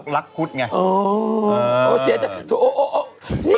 รักพุทธไง